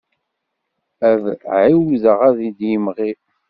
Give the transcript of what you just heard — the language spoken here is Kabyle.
Ad iɛawed ad d-yemɣi.